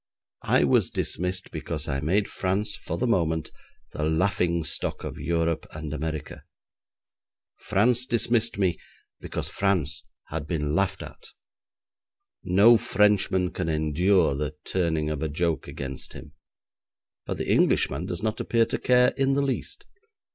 I was dismissed because I made France for the moment the laughing stock of Europe and America. France dismissed me because France had been laughed at. No Frenchman can endure the turning of a joke against him, but the Englishman does not appear to care in the least.